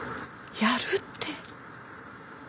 やるって。